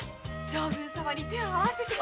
将軍様に手を合わせて。